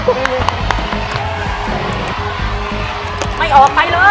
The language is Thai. ป้าใจเย็นใจเย็น